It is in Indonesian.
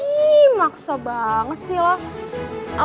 ih maksa banget sih lo